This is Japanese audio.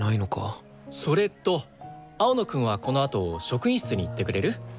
それと青野くんはこのあと職員室に行ってくれる？